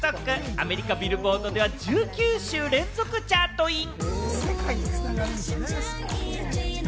アメリカ・ビルボードでは１９週連続チャートイン。